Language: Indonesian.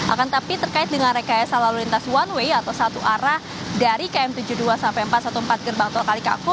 akan tapi terkait dengan rekayasa lalu lintas one way atau satu arah dari km tujuh puluh dua sampai empat ratus empat belas gerbang tol kalikaku